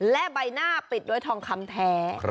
และใบหน้าปิดด้วยทองคำแท้